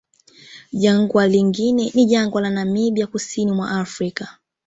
Jangwa lingine ni jangwa la Namibia kusini mwa Afrika